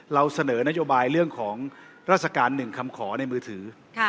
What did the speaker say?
เราเสนอนโยบายเรื่องของราชการ๑คำขอในมือถือ